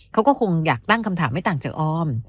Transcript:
เขาก็คงอยากตั้งคำถามไม่ต่างจากออม